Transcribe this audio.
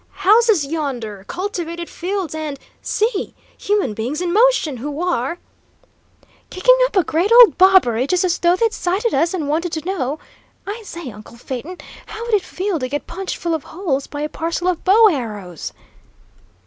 "Houses yonder! Cultivated fields, and see! human beings in motion, who are " "Kicking up a great old bobbery, just as though they'd sighted us, and wanted to know I say, uncle Phaeton, how would it feel to get punched full of holes by a parcel of bow arrows?"